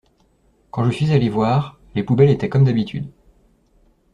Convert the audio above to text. Quand je suis allé voir, les poubelles étaient comme d’habitude.